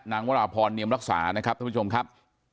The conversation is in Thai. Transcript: วราพรเนียมรักษานะครับท่านผู้ชมครับ